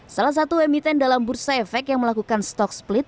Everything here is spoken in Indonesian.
salah satu emiten dalam bursa efek yang melakukan stock split